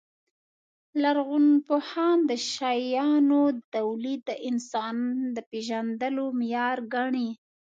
لرغونپوهان د شیانو تولید د انسان پېژندلو معیار ګڼي.